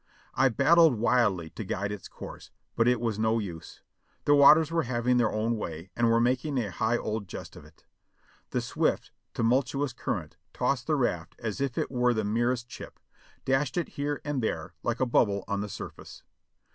I battled wildly to guide its course, but it was no use; the waters were having their own way and were making a high old jest of it. The swift, tumultuous current tossed the raft as if it were the merest chip, dashed it here and there like a bubble on the surface.